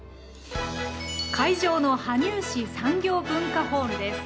会場の羽生市産業文化ホールです。